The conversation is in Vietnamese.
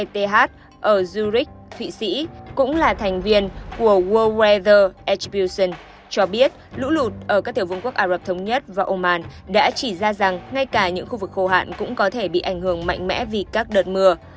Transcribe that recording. đại học eth ở zurich thụy sĩ cũng là thành viên của world weather attribution cho biết lũ lụt ở các tiểu vương quốc ả rập thống nhất và oman đã chỉ ra rằng ngay cả những khu vực khô hạn cũng có thể bị ảnh hưởng mạnh mẽ vì các đợt mưa